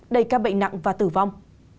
đầy ca bệnh nặng và tử vong